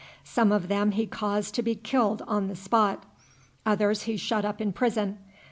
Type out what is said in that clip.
Some of them he caused to be killed on the spot. Others he shut up in prison.